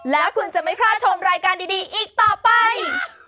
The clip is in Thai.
แล้วคุณจะไม่พลาดชมรายการดีอีกต่อไป